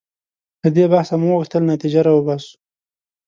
له دې بحثه مو غوښتل نتیجه راوباسو.